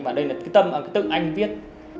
và đây là cái tâm cái tự anh viết